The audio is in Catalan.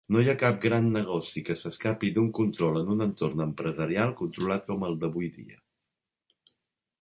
No hi ha cap gran negoci que s'escapi d'un control en un entorn empresarial controlat com el d'avui dia.